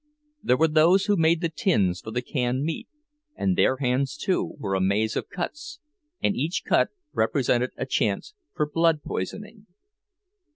There were those who made the tins for the canned meat; and their hands, too, were a maze of cuts, and each cut represented a chance for blood poisoning.